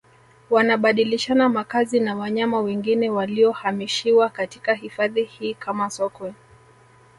wanabadilishana makazi na wanyama wengine waliohamishiwa katika hifadhi hii kama Sokwe